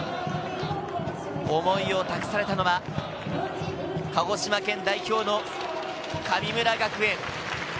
思いを託されたのは、鹿児島県代表の神村学園。